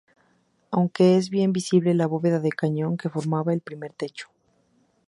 Aunque es bien visible la bóveda de cañón que formaba el primer techo.